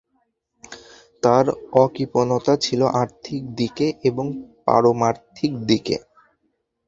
তাঁর অকৃপণতা ছিল আর্থিক দিকে এবং পারমার্থিক দিকে।